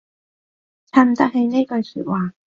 襯得起呢句說話